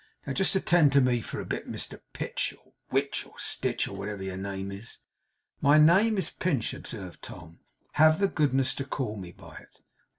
Now just attend to me for a bit, Mr Pitch, or Witch, or Stitch, or whatever your name is.' 'My name is Pinch,' observed Tom. 'Have the goodness to call me by it.